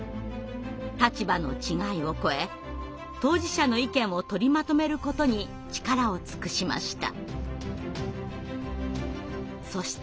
立場の違いを超え当事者の意見を取りまとめることに力を尽くしました。